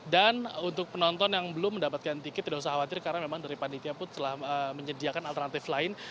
dan untuk penonton yang belum mendapatkan tiket tidak usah khawatir karena memang dari pandit yaput telah menyediakan alternatif lain